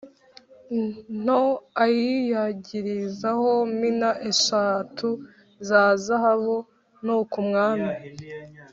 Nto Ayiyagirizaho Mina Eshatu Za Zahabu Nuko Umwami